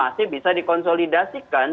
jadi ini bisa dikonsolidasikan